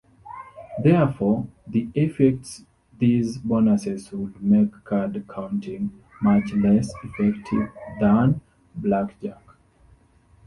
Therefore, the effects these bonuses would make card counting much less effective than Blackjack.